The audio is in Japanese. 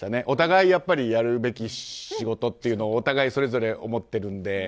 お互いやるべき仕事というのをお互いそれぞれ思っているので。